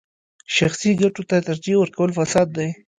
شخصي ګټو ته ترجیح ورکول فساد دی.